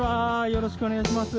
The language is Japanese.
よろしくお願いします。